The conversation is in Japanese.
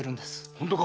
ホントか？